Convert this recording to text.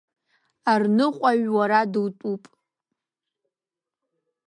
Арныҟәаҩ уара дутәуп!